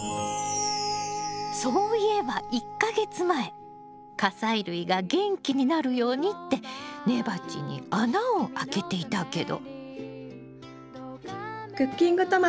そういえば１か月前果菜類が元気になるようにって根鉢に穴を開けていたけど。